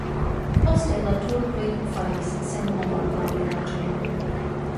Poste la turkoj faris senhoma la vilaĝon.